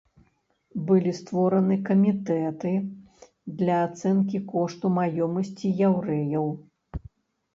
Былі створаны камітэты для ацэнкі кошту маёмасці яўрэяў.